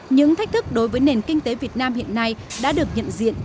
những thách thức đối với nền kinh tế việt nam hiện nay đã được nhận diện